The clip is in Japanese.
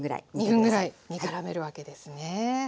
２分ぐらい煮からめるわけですね。